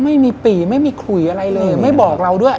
ไม่มีปี่ไม่มีขุยอะไรเลยไม่บอกเราด้วย